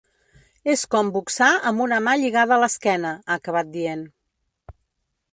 És com boxar amb una mà lligada a l’esquena, ha acabat dient.